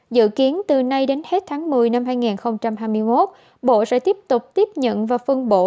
dự kiến từ nay đến hết tháng một mươi năm hai nghìn hai mươi một bộ sẽ tiếp tục tiếp nhận và phân bổ